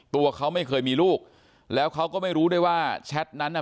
ตัวเขาไม่เคยมีลูกแล้วเขาก็ไม่รู้ด้วยว่าแชทนั้นน่ะ